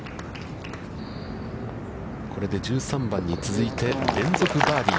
これで１３番に続いて、連続バーディー。